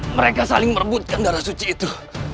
mereka saling merebutkan darah sujaraku